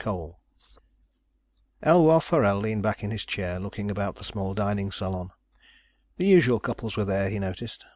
COLE Illustrated by Freas Elwar Forell leaned back in his chair, looking about the small dining salon. The usual couples were there, he noticed.